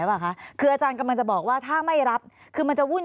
เปล่าคะคืออาจารย์กำลังจะบอกว่าถ้าไม่รับคือมันจะวุ่น